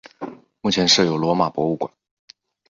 目前设有罗马博物馆。